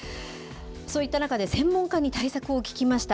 そういった中で、専門家に対策を聞きました。